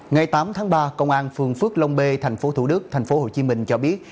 ngày tám tháng ba công an phường phước long b thành phố thủ đức thành phố hồ chí minh cho biết